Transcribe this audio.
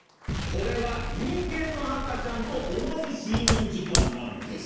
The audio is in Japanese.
これは人間の赤ちゃんと同じ睡眠時間なんです。